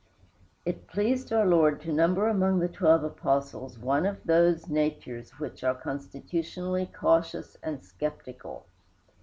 It pleased our Lord to number among the twelve Apostles one of those natures which are constitutionally cautious and skeptical.